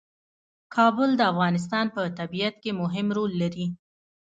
کابل د افغانستان په طبیعت کې مهم رول لري.